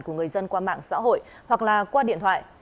của người dân qua mạng xã hội hoặc là qua điện thoại